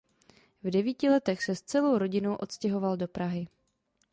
V devíti letech se s celou rodinou odstěhoval do Prahy.